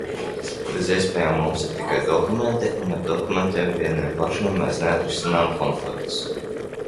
Bez iespējām mums ir tikai dokumenti, un ar dokumentiem vieniem pašiem mēs neatrisinām konfliktus.